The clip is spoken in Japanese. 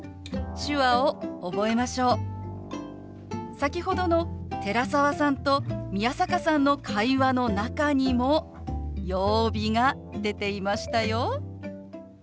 先ほどの寺澤さんと宮坂さんの会話の中にも曜日が出ていましたよ。